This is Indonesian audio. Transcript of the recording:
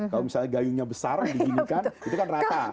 kalau misalnya gayunya besar dihidupkan itu kan rata